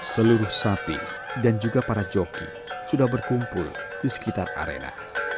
seluruh sapi dan juga para joki sudah berkumpul di sekitar arena